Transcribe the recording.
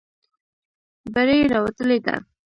بړۍ یې راوتلې ده.